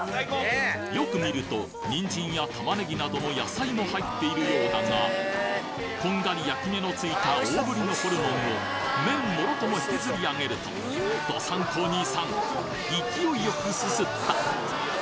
よく見るとニンジンや玉ネギなどの野菜も入っているようだがこんがり焼き目のついた大ぶりのホルモンを麺もろとも引きずり上げると道産子兄さん勢いよくすすった！